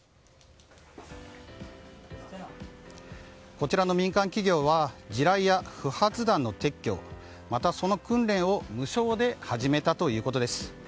こちらの民間企業は地雷や不発弾の撤去また、その訓練を無償で始めたということです。